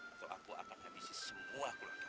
atau aku akan habisi semua keluarga